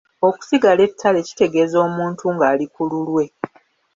Okusigala ettale kitegeeza omuntu ng'ali ku lulwe.